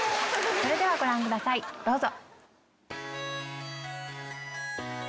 それではご覧くださいどうぞ。